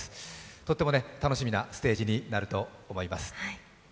とても楽しみなステージになると思います。